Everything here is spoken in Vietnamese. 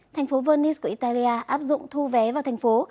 thành phố venice của italia áp dụng thu vé vào thành phố